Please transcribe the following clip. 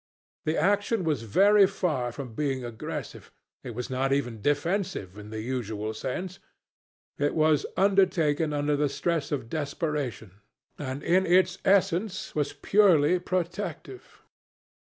The action was very far from being aggressive it was not even defensive, in the usual sense: it was undertaken under the stress of desperation, and in its essence was purely protective.